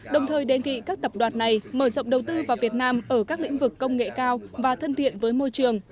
đồng thời đề nghị các tập đoàn này mở rộng đầu tư vào việt nam ở các lĩnh vực công nghệ cao và thân thiện với môi trường